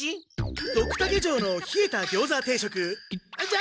ドクタケ城のひえたギョーザ定食じゃなくて！